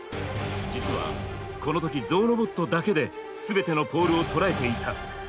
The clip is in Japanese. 実はこの時ゾウロボットだけで全てのポールをとらえていた。